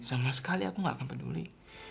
sama sekali aku nggak akan peduli